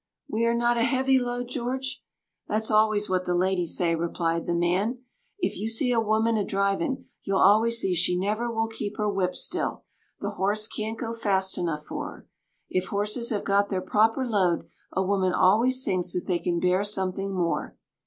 "We are not a heavy load, George? "That's always what the ladies say," replied the man. "If you see a woman a driving, you'll always see she never will keep her whip still; the horse can't go fast enough for her. If horses have got their proper load, a woman always thinks that they can bear something more.